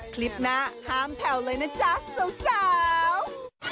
คลิปหน้าห้ามแผ่วเลยนะจ๊ะสาว